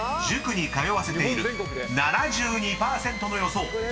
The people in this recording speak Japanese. ［塾に通わせている７２％の予想］